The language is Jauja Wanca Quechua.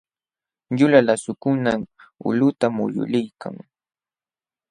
Yulaq lasukunam ulquta muyuliykan.